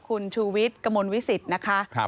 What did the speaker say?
คุณชูวิดกมลวิสิทธิ์นะคะ